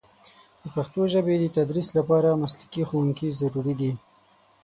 د پښتو ژبې د تدریس لپاره مسلکي ښوونکي ضروري دي.